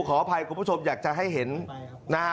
โทรศัพท์อยากจะให้เห็นนะฮะ